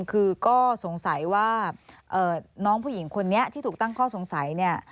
คือก็สงสัยว่าน้องผู้หญิงคนนี้ที่ถูกตั้งข้อสงสัยเนี่ย